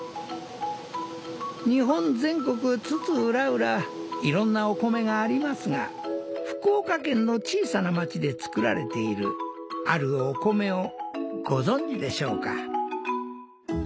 日本全国津々浦々色んなお米がありますが福岡県の小さな町で作られているあるお米をご存じでしょうか？